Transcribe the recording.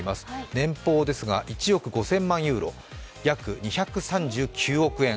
年俸ですが１億５０００万ユーロ、約２３９億円。